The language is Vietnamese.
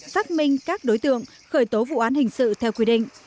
xác minh các đối tượng khởi tố vụ án hình sự theo quy định